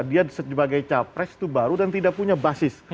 dia sebagai capres itu baru dan tidak punya basis